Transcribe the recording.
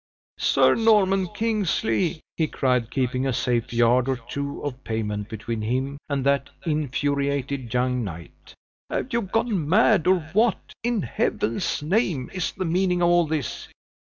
"Sir Norman Kingsley," he cried, keeping a safe yard or two of pavement between him and that infuriated young knight, "have you gone mad, or what, is Heaven's name, is the meaning of all this?"